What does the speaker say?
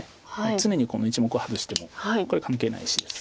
常にこの１目をハズしてもこれ関係ない石です。